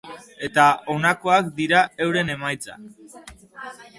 Eta honakoak dira euren emaitzak.